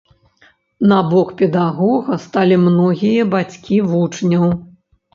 На бок педагога сталі многія бацькі вучняў.